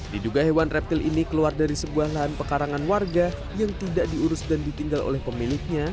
diduga hewan reptil ini keluar dari sebuah lahan pekarangan warga yang tidak diurus dan ditinggal oleh pemiliknya